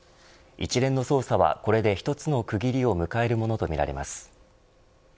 一連の捜査はこれで一つの区切りを迎えるものとみられます。